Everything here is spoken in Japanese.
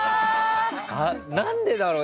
何でだろう？